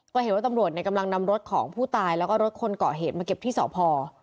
ก็เห็นว่าตำรวจกำลังนำรถของผู้ตายแล้วก็รถคนเกาะเหตุมาเก็บที่สพ